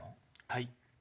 はい。